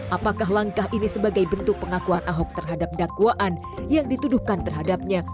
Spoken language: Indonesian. apakah langkah ini sebagai bentuk pengakuan ahok terhadap dakwaan yang dituduhkan terhadapnya